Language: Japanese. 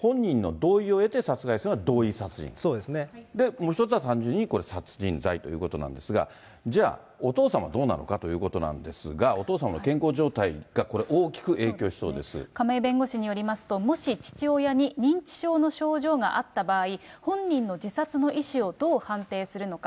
もう一つは単純に殺人罪ということなんですが、じゃあ、お父様はどうなのかということですが、お父様の健康状態がこれ、そうですね、亀井弁護士によりますと、もし父親に認知症の症状があった場合、本人の自殺の意思をどう判定するのか。